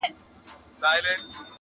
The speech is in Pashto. خو اختلاف لا هم شته ډېر,